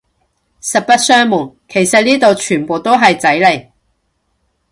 實不相暪，其實呢度全部都係仔嚟